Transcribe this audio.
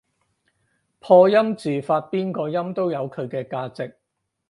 破音字發邊個音都有佢嘅價值